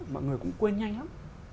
mọi người cũng quên nhanh lắm